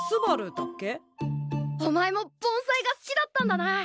お前も盆栽が好きだったんだな！